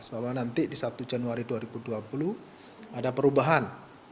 bahwa nanti di satu januari dua ribu dua puluh ada perubahan